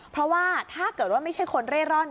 เพราะว่าถ้าเกิดว่าไม่ใช่คนเร่ร่อน